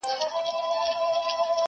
د دښمن له فکر او مِکره ناپوهي ده,